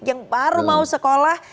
yang baru mau sekolah